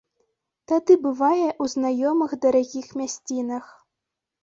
Тады бывае ў знаёмых дарагіх мясцінах.